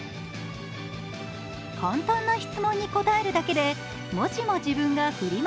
簡単な質問に答えるだけで、もしも自分がフリマ